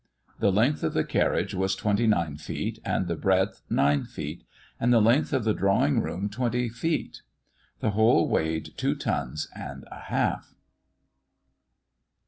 The length of the carriage was twenty nine feet, and the breadth nine feet; and the length of the drawing room twenty feet. The whole weighed two tons and a half.